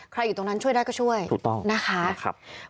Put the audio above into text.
ใครอยู่ตรงนั้นช่วยได้ก็ช่วยนะคะ